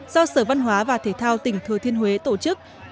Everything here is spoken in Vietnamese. do sở văn hóa và thể thao tỉnh thừa thiên huế tổ chức